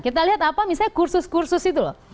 kita lihat apa misalnya kursus kursus itu loh